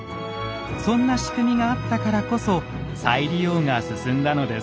そんな仕組みがあったからこそ再利用が進んだのです。